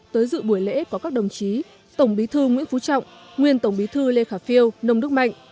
tới dự buổi lễ có các đồng chí tổng bí thư nguyễn phú trọng nguyên tổng bí thư lê khả phiêu nông đức mạnh